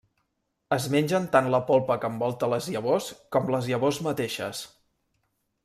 Es mengen tant la polpa que envolta les llavors com les llavors mateixes.